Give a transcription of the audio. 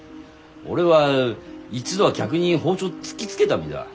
俺は一度は客に包丁突きつけた身だ。